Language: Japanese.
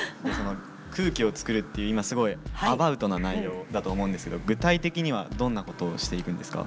空気を作るって今すごいアバウトな内容だと思うんですけど具体的にはどんなことをしていくんですか？